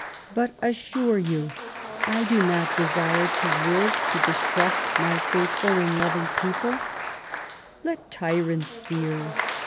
But assure you, I do not desire to live to distrust my faithful THE CRISIS. 235 and loving people, Let tyrants fear.